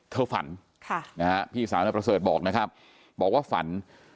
ฝันพี่สาวนายประเสริฐบอกนะครับบอกว่าฝัน